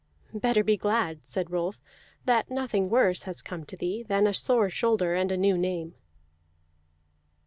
"Better be glad," said Rolf, "that nothing worse has come to thee than a sore shoulder and a new name."